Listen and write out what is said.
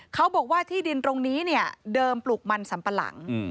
เขาบอกว่าที่ดินตรงนี้เนี่ยเดิมปลูกมันสัมปะหลัง